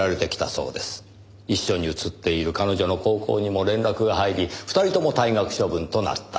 一緒に写っている彼女の高校にも連絡が入り２人とも退学処分となった。